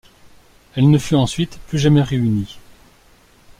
Elle ne fut ensuite plus jamais réunie.